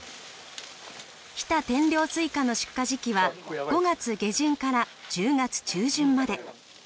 日田天領スイカの出荷時期は５月下旬から１０月中旬まで。